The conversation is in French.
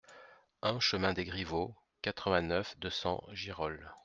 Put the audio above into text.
un chemin des Grivaux, quatre-vingt-neuf, deux cents, Girolles